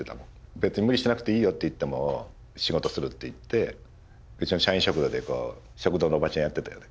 別に無理しなくていいよって言っても仕事するって言ってうちの社員食堂で食堂のおばちゃんやってたよね。